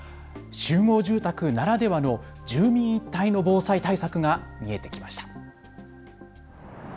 集合住宅ならではの住民一体の防災対策が見えてきました。